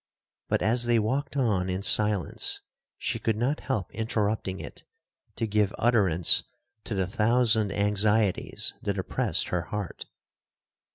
But as they walked on in silence, she could not help interrupting it to give utterance to the thousand anxieties that oppressed her heart.